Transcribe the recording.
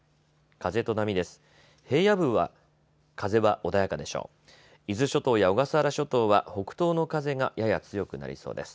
風と波です。